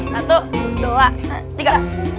satu dua tiga